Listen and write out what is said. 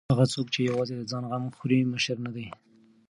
هغه څوک چې یوازې د ځان غم خوري مشر نه دی.